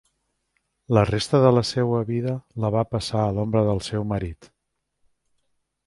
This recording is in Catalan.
La resta de la seua vida la va passar a l'ombra del seu marit.